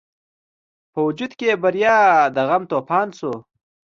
په وجود کې یې برپا د غم توپان شو.